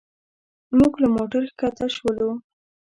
موږ له موټر ښکته شولو.